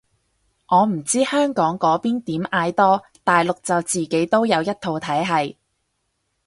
我唔知香港嗰邊點嗌多，大陸就自己都有一套體係